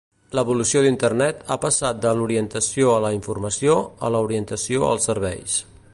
L'evolució d'Internet ha passat de l'orientació a la informació a la orientació als serveis.